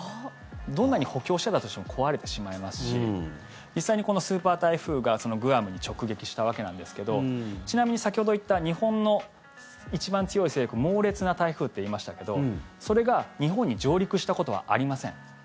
どんなに補強してたとしても壊れてしまいますし実際にこのスーパー台風がグアムに直撃したわけなんですがちなみに先ほど言った日本の一番強い勢力猛烈な台風って言いましたけどそれが日本に上陸したことはありません。